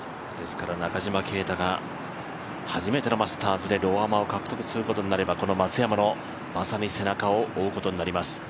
ですから中島啓太が初めてのマスターズでローアマを獲得することになれば松山の背中を追うことになります。